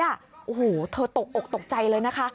โอ้โหเธอตกอกตกใจเลยนะคะ